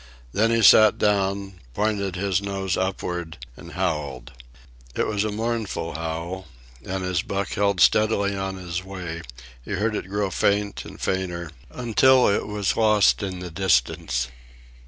Then he sat down, pointed his nose upward, and howled. It was a mournful howl, and as Buck held steadily on his way he heard it grow faint and fainter until it was lost in the distance.